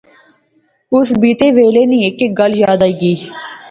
اس بیتے ویلے نی ہیک ہیک گل یاد اینی گئی